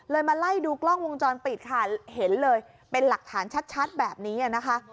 มาไล่ดูกล้องวงจรปิดค่ะเห็นเลยเป็นหลักฐานชัดแบบนี้นะคะ